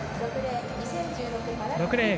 ６レーン